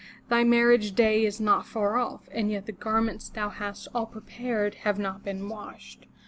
Thy marriage day is not far off, and yet the garments thou hast all prepared have not been washed.